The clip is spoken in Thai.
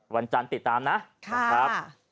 วันจันทร์ติดตามนะขอบคุณครับค่ะครับ